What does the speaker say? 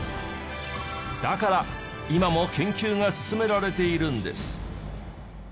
だから今も研究が進められているんです。